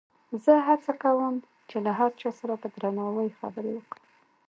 زه هڅه کوم چې له هر چا سره په درناوي خبرې وکړم.